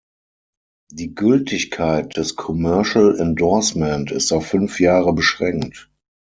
Die Gültigkeit des Commercial Endorsement ist auf fünf Jahre beschränkt.